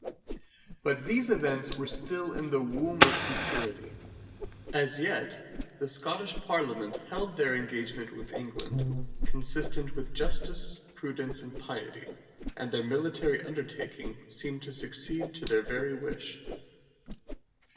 But these events were still in the womb of futurity. As yet the Scottish Parliament held their engagement with England consistent with justice, prudence, and piety, and their military undertaking seemed to succeed to their very wish.